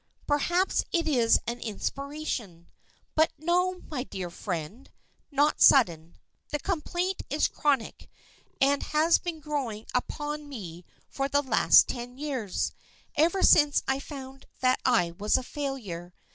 "Perhaps it is an inspiration. But no, my dear friend, it is not sudden. The complaint is chronic, and has been growing upon me for the last ten years, ever since I found that I was a failure.